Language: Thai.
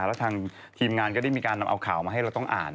แล้วทางทีมงานก็ได้มีการนำเอาข่าวมาให้เราต้องอ่าน